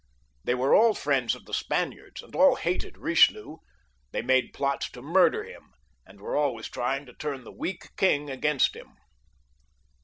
They were all fiiends of the Spaniards, and all hated Bichelieu; they made plots to murder him, and were always trying to turn the weak king against him.